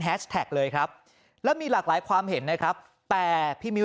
เลยครับแล้วมีหลากหลายความเห็นนะครับแต่พี่มิ้ว